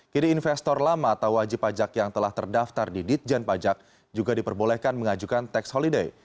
kini investor lama atau wajib pajak yang telah terdaftar di ditjen pajak juga diperbolehkan mengajukan tax holiday